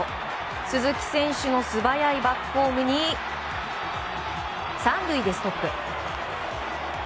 鈴木選手の素早いバックホームに３塁でストップ。